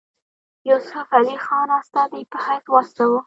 یوسف علي خان استازي په حیث واستاوه.